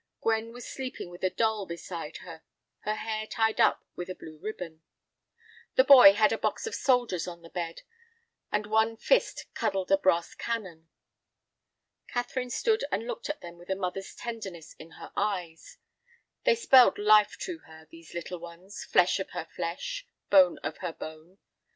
Gwen was sleeping with a doll beside her, her hair tied up with a blue ribbon. The boy had a box of soldiers on the bed, and one fist cuddled a brass cannon. Catherine stood and looked at them with a mother's tenderness in her eyes. They spelled life to her—these little ones, flesh of her flesh, bone of her bone.